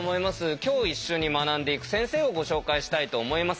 今日一緒に学んでいく先生をご紹介したいと思います。